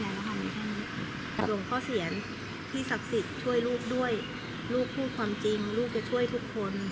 หลวงพ่อเสียรพี่ศักดิ์สิทธิ์ช่วยลูกด้วยลูกพูดความจริงลูกจะช่วยทุกคน